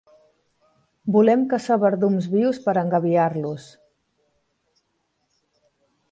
Volen caçar verdums vius per engabiar-los.